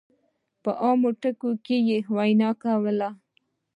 په عاميانه ټکو کې يې وينا کوله.